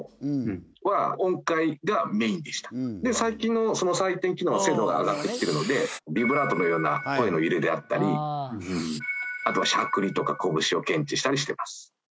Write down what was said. で最近の採点機能は精度が上がってきてるのでビブラートのような声の揺れであったりあとはしゃくりとかコブシを検知したりしてます。